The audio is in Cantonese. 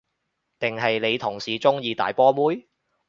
定係你同事鍾意大波妹？